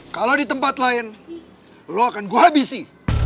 kalau di tempat lain lo akan gue habisi